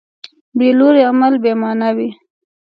بېلوري عمل بېمانا وي.